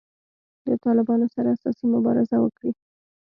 له طالبانو سره اساسي مبارزه وکړي.